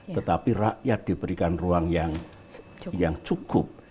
tetapi rakyat diberikan ruang yang cukup